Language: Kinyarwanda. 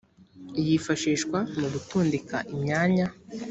yifashishwa mu gotondeka imyanya